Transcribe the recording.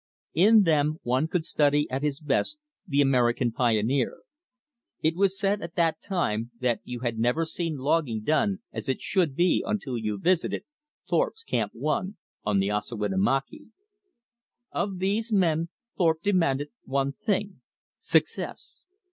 In them one could study at his best the American pioneer. It was said at that time that you had never seen logging done as it should be until you had visited Thorpe's Camp One on the Ossawinamakee. Of these men Thorpe demanded one thing success.